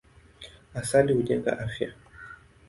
Asali hujenga afya.